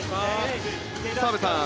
澤部さん